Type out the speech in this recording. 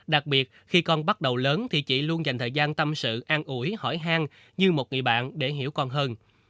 đặc biệt khi con bắt đầu lớn thì chị luôn dành thời gian tâm sự an ủi hỏi hang như một người bạn để hiểu con hơn